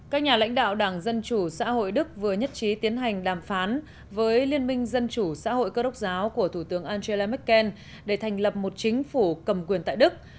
các nhà lãnh đạo đảng dân chủ xã hội đức vừa nhất trí tiến hành đàm phán với liên minh dân chủ xã hội cơ đốc giáo của thủ tướng angela merkel để thành lập một chính phủ cầm quyền tại đức